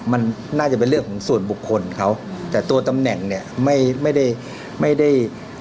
มันน่าจะเป็นเรื่องของส่วนบุคคลเขาแต่ตัวตำแหน่งเนี่ยไม่ไม่ได้